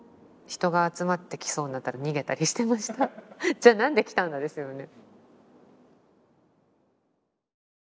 「じゃあ何で来たんだ？」ですよね。